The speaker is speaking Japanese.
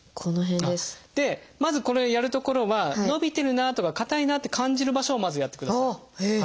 まずこれをやる所は伸びてるなとか硬いなって感じる場所をまずやってください。